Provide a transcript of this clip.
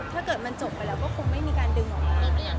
ถ้าเกิดมันจบไปแล้วก็คงไม่มีการดึงออกมา